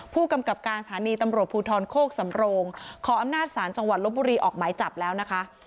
ผู้กำกับการสถานีตำรวจภูทรโคกสำโรงขออำนาจศาลจังหวัดลบบุรีออกหมายจับแล้วนะคะ